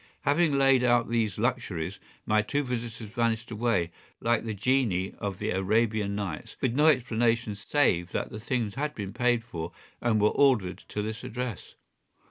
Having laid out all these luxuries, my two visitors vanished away, like the genii of the Arabian Nights, with no explanation save that the things had been paid for and were ordered to this address.